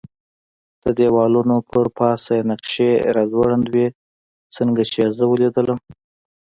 د دېوالونو پر پاسه یې نقشې را ځوړندې وې، څنګه چې یې زه ولیدلم.